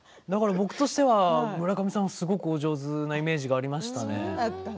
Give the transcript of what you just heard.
僕としては村上さんがお上手なイメージがありました。